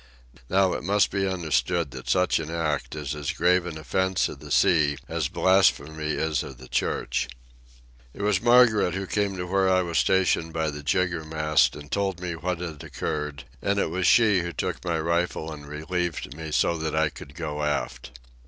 Now it must be understood that such an act is as grave an offence of the sea as blasphemy is of the Church. It was Margaret who came to where I was stationed by the jiggermast and told me what had occurred; and it was she who took my rifle and relieved me so that I could go aft.